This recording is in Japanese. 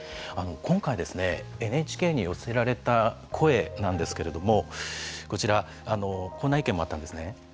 今回、ＮＨＫに寄せられた声なんですけれどもこちらこんな意見もあったんですね。